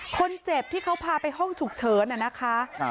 คนเจ็บที่เขาพาไปห้องฉุกเฉินอ่ะนะคะครับ